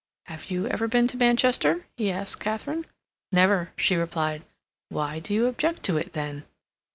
"Have you ever been to Manchester?" he asked Katharine. "Never," she replied. "Why do you object to it, then?"